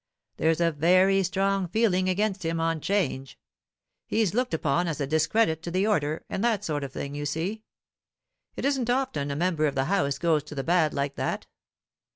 There's a very strong feeling against him on Change. He's looked upon as a discredit to the order, and that sort of thing, you see. It isn't often a member of the House goes to the bad like that.